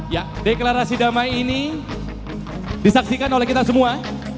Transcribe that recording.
ya deklarasi damai ini disaksikan oleh kita semua